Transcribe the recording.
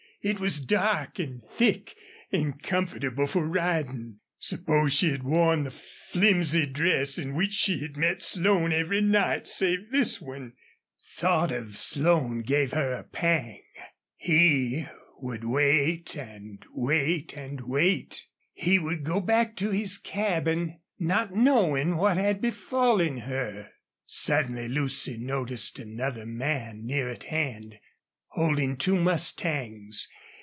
It was dark and thick, and comfortable for riding. Suppose she had worn the flimsy dress, in which she had met Slone every night save this one? Thought of Slone gave her a pang. He would wait and wait and wait. He would go back to his cabin, not knowing what had befallen her. Suddenly Lucy noticed another man, near at hand, holding two mustangs.